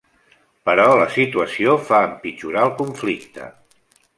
Però la situació fa empitjorar el conflicte.